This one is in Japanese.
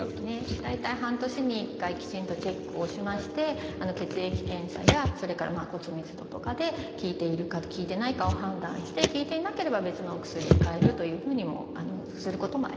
大体半年に１回きちんとチェックをしまして血液検査やそれから骨密度とかで効いているか効いてないかを判断して効いていなければ別のお薬にかえるというふうにもすることもあります。